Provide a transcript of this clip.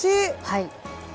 はい。